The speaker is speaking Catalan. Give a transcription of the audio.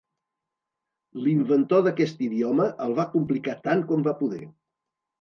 L'inventor d'aquest idioma el va complicar tant com va poder.